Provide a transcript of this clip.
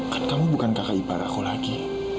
kan kamu bukan kakak ipar aku lagi